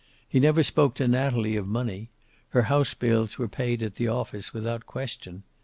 He never spoke to Natalie of money. Her house bills were paid at the office without question.